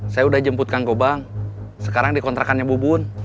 saya udah jemput kang kobang sekarang dikontrakannya bu bun